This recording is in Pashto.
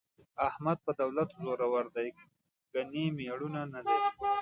احمد په دولت زورو دی، ګني مېړونه نه لري.